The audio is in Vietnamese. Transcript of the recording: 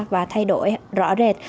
và thay đổi rõ rệt